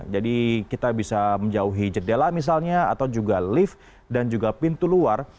jadi kita bisa menjauhi jedela misalnya atau juga lift dan juga pintu luar